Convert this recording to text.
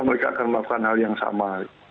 mereka akan melakukan hal yang sama